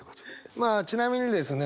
まあちなみにですね